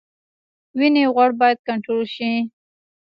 وینې غوړ باید کنټرول شي